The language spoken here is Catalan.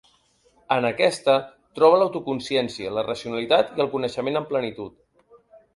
En aquesta troba l'autoconsciència, la racionalitat i el coneixement en plenitud.